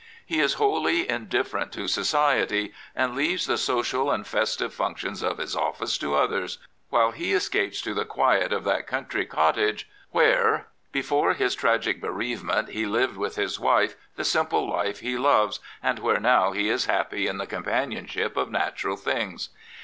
He is wholly in different to society, and leaves the social and festive functions of his office to others, while he escapes to the quiet of that country cottage where, before his 74 Sir Edward Grey tragic bereavement, he lived with his wife the simple life he loves and where now he is happy in the com panionship of natural things.